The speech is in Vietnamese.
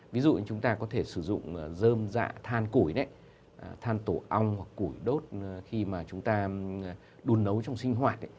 ví dụ chúng ta có thể sử dụng dơm dạ than củi than tổ ong hoặc củi đốt khi chúng ta đun nấu trong sinh hoạt